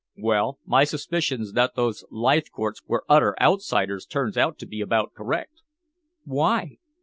"Well, my suspicions that those Leithcourts were utter outsiders turns out to be about correct." "Why?"